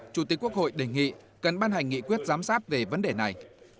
chủ tịch quốc hội đề nghị cần ban hành nghị quyết giám sát về vấn đề này